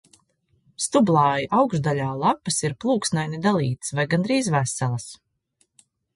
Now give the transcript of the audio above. Stublāja augšdaļā lapas ir plūksnaini dalītas vai gandrīz veselas.